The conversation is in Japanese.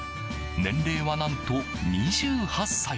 年齢は何と２８歳。